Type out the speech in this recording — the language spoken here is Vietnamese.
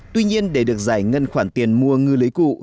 tuy nhiên để được giải ngân khoản tiền mua ngư lưới cụ